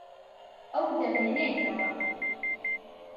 ئەو دەمێنێتەوە.